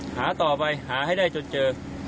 หาต่อไปหาให้ได้จนเจอ